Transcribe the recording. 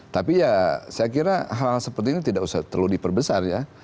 tapi ya saya kira hal hal seperti ini tidak usah terlalu diperbesar ya